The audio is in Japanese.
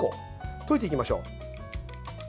溶いていきましょう。